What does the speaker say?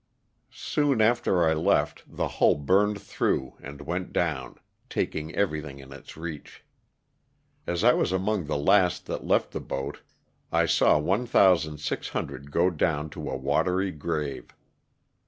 Soon after I left the hull burned through and went down, taking everything in its reach. As I was among the last that left the boat 1 saw 1,600 go down to a watery grave.